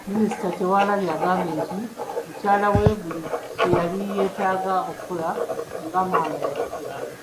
Minisita Kyewalabye agambye nti mukyala we buli kye yali yeetaaga okukola nga maama yakikola .